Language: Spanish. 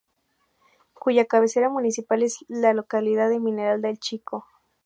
Cuya cabecera municipal es la localidad de Mineral del Chico.